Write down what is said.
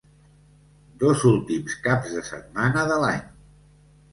Dos últims caps de setmana de l'any.